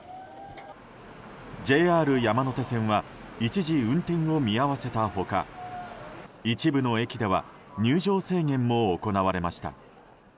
ＪＲ山手線は一時運転を見合わせた他一部の駅では入場制限も行われました。